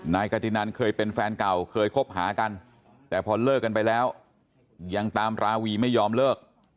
นายกาตินันเคยเป็นแฟนเก่าเคยคบหากันแต่พอเลิกกันไปแล้วยังตามราวีไม่ยอมเลิก